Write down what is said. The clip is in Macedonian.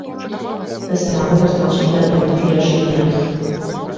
Да се надеваш значи да ја демантираш иднината.